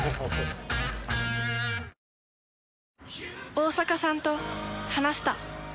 大坂さんと話した。